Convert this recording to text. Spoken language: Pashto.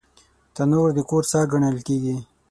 تنور د کور ساه ګڼل کېږي